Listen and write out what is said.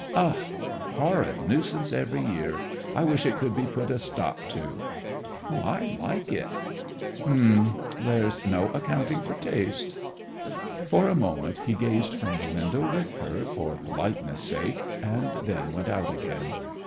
'Oh? Horrid nuisance every year! I wish it could be put a stop to' 'I like it.' 'H'm. There's no accounting for taste.' For a moment he gazed from the window with her, for politeness sake, and then went out again.